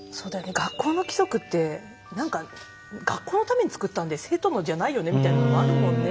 学校の規則って何か学校のために作ったんで生徒のじゃないよねみたいなのもあるもんね。